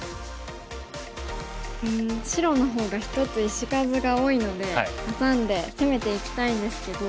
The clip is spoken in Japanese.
白の方が１つ石数が多いのでハサんで攻めていきたいんですけど。